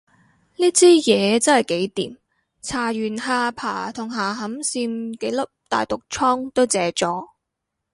呢支嘢真係幾掂，搽完下巴同下頷線幾粒大毒瘡都謝咗